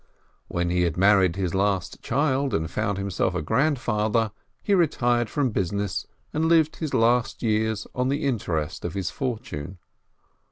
When he had married his last child, and found him self a grandfather, he retired from business, and lived his last years on the interest of his fortune.